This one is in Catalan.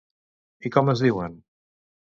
I com es diuen?